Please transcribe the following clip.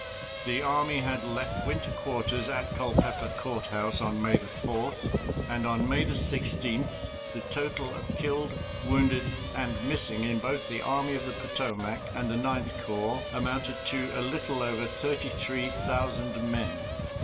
The army had left winter quarters at Culpeper Courthouse on May 4th, and on May 16th the total of killed, wounded, and missing in both the Army of the Potomac and the Ninth Corps amounted to a little over thirty three thousand men.